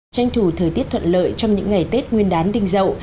tranh thủ thời tiết thuận lợi trong những ngày tết nguyên đán đình dậu